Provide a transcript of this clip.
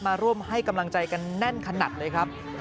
มาร่วมให้กำลังใจกันแน่นขนาดเลยครับ